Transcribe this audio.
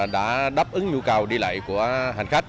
đã đáp ứng nhu cầu đi lại của hành khách